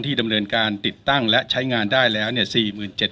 ที่ดำเนินการติดตั้งและใช้งานได้แล้วเนี่ยสี่หมื่นเจ็ด